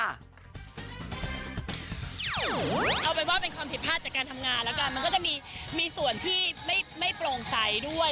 เอาเป็นว่าเป็นความผิดพลาดจากการทำงานแล้วกันมันก็จะมีส่วนที่ไม่โปร่งใสด้วย